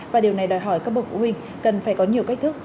và điều này đòi hỏi các bậc phụ huynh cần phải có nhiều cách thức